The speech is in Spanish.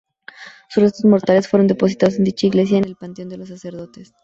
Sus restos mortales fueron depositados en dicha iglesia, en el panteón de los sacerdotes.